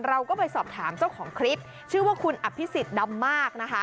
เราก็ไปสอบถามเจ้าของคลิปชื่อว่าคุณอภิษฎดำมากนะคะ